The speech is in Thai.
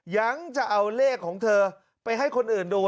ยังจะเอาเลขของเธอไปให้คนอื่นดู